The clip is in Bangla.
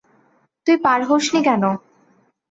তুই পার হসনি কেন?